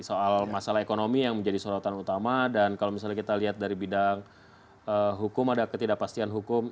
soal masalah ekonomi yang menjadi sorotan utama dan kalau misalnya kita lihat dari bidang hukum ada ketidakpastian hukum